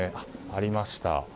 ありました。